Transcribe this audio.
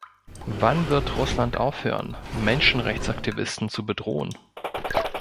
Wann wird Russland aufhören, Menschenrechtsaktivisten zu bedrohen?